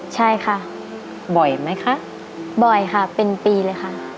ใช่ค่ะบ่อยไหมคะบ่อยค่ะเป็นปีเลยค่ะ